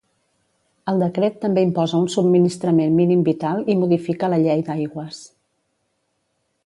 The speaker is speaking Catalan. El decret també imposa un subministrament mínim vital i modifica la llei d'aigües.